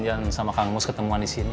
saya janjian sama kang mus ketemuan di sini